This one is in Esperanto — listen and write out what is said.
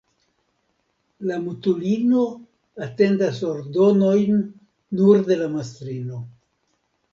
La mutulino atendas ordonojn nur de la mastrino.